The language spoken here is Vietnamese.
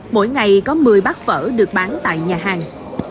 mỗi ngày có một mươi bát phở được bán tại nhà hàng